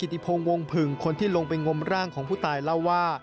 ติพงศ์วงผึ่งคนที่ลงไปงมร่างของผู้ตายเล่าว่า